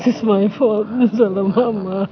ini salah mama